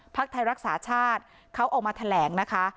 ไทยรักษาชาติเขาออกมาแถลงนะคะ